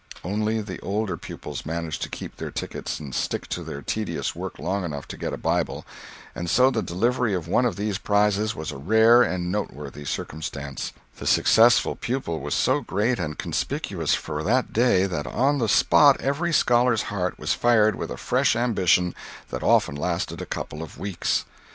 Only the older pupils managed to keep their tickets and stick to their tedious work long enough to get a Bible, and so the delivery of one of these prizes was a rare and noteworthy circumstance; the successful pupil was so great and conspicuous for that day that on the spot every scholar's heart was fired with a fresh ambition that often lasted a couple of weeks.